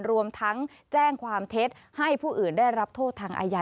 รวมทั้งแจ้งความเท็จให้ผู้อื่นได้รับโทษทางอาญา